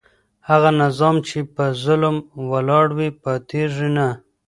هغه نظام چي په ظلم ولاړ وي پاتیږي نه.